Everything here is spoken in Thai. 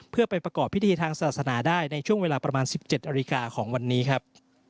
เพื่อไปประกอบพิธีทางศาสนาได้ในช่วงเวลาประมาณ๑๗นาฬิกาของวันนี้ครับ